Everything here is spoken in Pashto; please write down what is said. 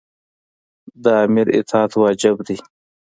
د امیر اطاعت واجب دی.